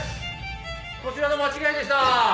こちらの間違いでした。